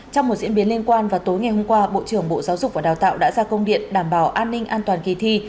trong một diễn biến liên quan vào tối ngày hôm qua bộ trưởng bộ giáo dục và đào tạo đã ra công điện đảm bảo an ninh an toàn kỳ thi